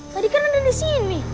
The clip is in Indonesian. tadi kan ada disini